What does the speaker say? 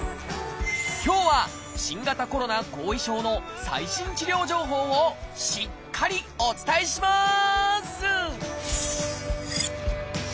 今日は新型コロナ後遺症の最新治療情報をしっかりお伝えします！